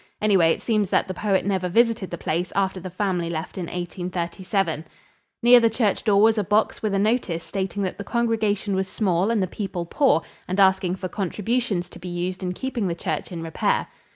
Anyway, it seems that the poet never visited the place after the family left in 1837. Near the church door was a box with a notice stating that the congregation was small and the people poor, and asking for contributions to be used in keeping the church in repair.